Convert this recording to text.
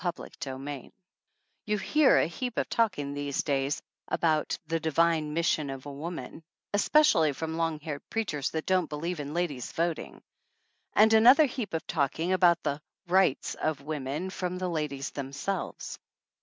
CHAPTER II YOU hear a heap of talking these days about "the divine mission of woman," especially from long haired preachers that don't believe in ladies voting ; and another heap of talk about the "rights" of women from the ladies themselves.